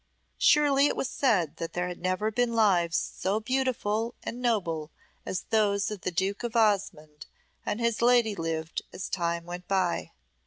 '" Surely it was said there had never been lives so beautiful and noble as those the Duke of Osmonde and his lady lived as time went by.